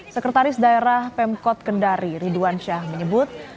sekretaris daerah pemkot kendari ridwan syah menyebut